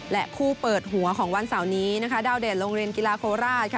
และคู่เปิดหัวของวันเสาร์นี้นะคะดาวเด่นโรงเรียนกีฬาโคราชค่ะ